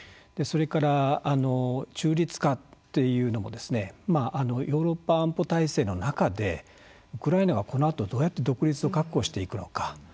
それから中立化というのもヨーロッパ安保体制の中でウクライナはこのあとどうやって独立を確保していくのか